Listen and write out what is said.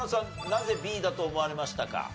なぜＢだと思われましたか？